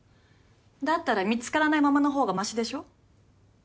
だったら見つからないままの方がましでしょ。